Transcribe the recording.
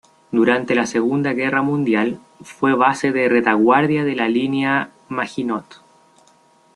Durante la Segunda Guerra Mundial fue base de retaguardia de la Línea Maginot.